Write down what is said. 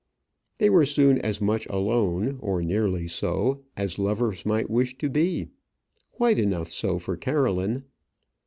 They were soon as much alone or nearly so as lovers might wish to be; quite enough so for Caroline.